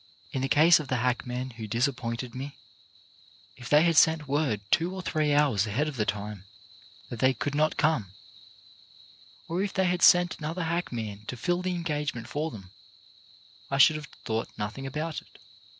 In the case of the hackmen who disap pointed me, if they had sent word two or three hours ahead of the time, that they could not come, or if they had sent another hackman to fill the engagement for them, I should have thought nothing about it.